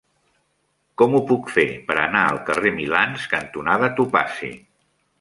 Com ho puc fer per anar al carrer Milans cantonada Topazi?